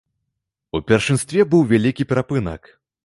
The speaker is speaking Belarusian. У першынстве быў вялікі перапынак.